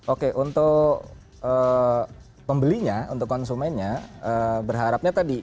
oke untuk pembelinya untuk konsumennya berharapnya tadi